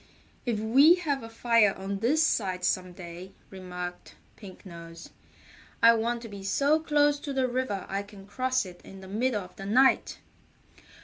"If we have a fire on this side some day," remarked Pink Nose, "I want to be so close to the river I can cross it in the middle of the night."